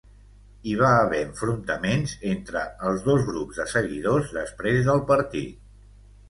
Hi va haver enfrontaments entre els dos grups de seguidors després del partit.